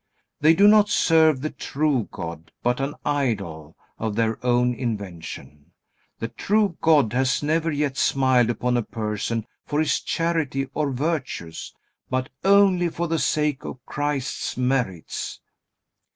They do not serve the true God, but an idol of their own invention. The true God has never yet smiled upon a person for his charity or virtues, but only for the sake of Christ's merits.